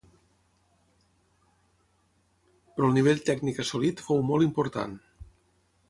Però el nivell tècnic assolit fou molt important.